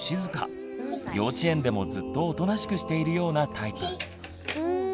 幼稚園でもずっとおとなしくしているようなタイプ。